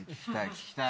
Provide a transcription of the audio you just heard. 聴きたい。